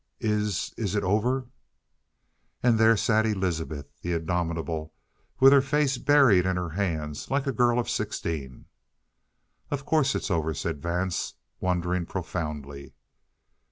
"Is is it over?" And there sat Elizabeth the Indomitable with her face buried in her hands like a girl of sixteen! "Of course it's over," said Vance, wondering profoundly.